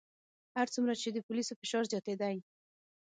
هر څومره چې د پولیسو فشار زیاتېدی.